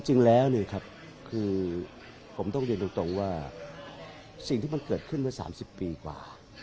จริงแล้วเนี่ยครับคือผมต้องเรียนตรงว่าสิ่งที่มันเกิดขึ้นเมื่อ๓๐ปีกว่า